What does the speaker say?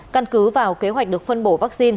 căn cứ vào kế hoạch được phân bổ vaccine